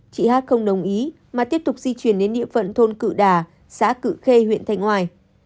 chị hát không đồng ý mà tiếp tục di chuyển đến địa phận thôn cự đà xã cự khê huyện thanh hoài